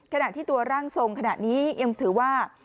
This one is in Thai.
ขณะที่ตัวร่างทรงขณะนี้ยังถือว่า